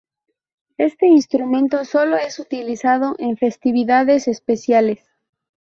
Este instrumento solo es utilizado en festividades especiales.